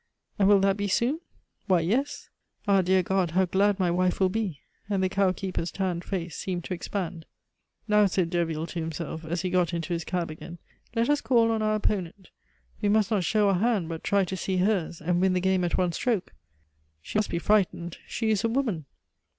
"And will that be soon?" "Why, yes." "Ah, dear God! how glad my wife will be!" and the cowkeeper's tanned face seemed to expand. "Now," said Derville to himself, as he got into his cab again, "let us call on our opponent. We must not show our hand, but try to see hers, and win the game at one stroke. She must be frightened. She is a woman.